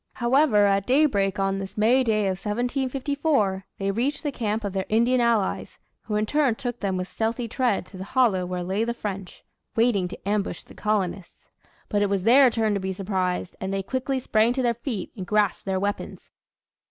However, at daybreak on this May day of 1754, they reached the camp of their Indian allies; who in turn took them with stealthy tread to the hollow where lay the French waiting to ambush the colonists. But it was their turn to be surprised, and they quickly sprang to their feet and grasped their weapons.